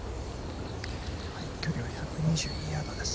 距離は１２２ヤードです。